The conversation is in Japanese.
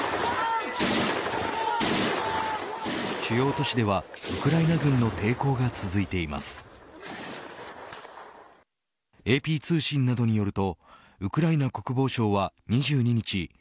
主要都市ではウクライナ軍の抵抗が続いていますＡＰ通信などによるとウクライナ国防省は２２日